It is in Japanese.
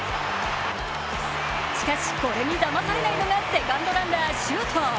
しかしこれにだまされないのがセカンドランナー・周東。